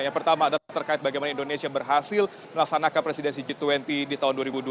yang pertama adalah terkait bagaimana indonesia berhasil melaksanakan presidensi g dua puluh di tahun dua ribu dua puluh dua